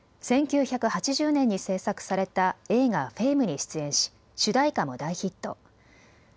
１９８０年に製作された映画フェームに出演し主題歌も大ヒット。